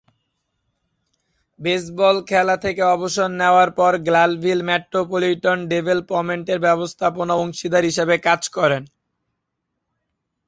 Baseball খেলা থেকে অবসর নেয়ার পর গ্ল্যানভিল মেট্রোপলিটান ডেভেলপমেন্টের ব্যবস্থাপনা অংশীদার হিসেবে কাজ করেন।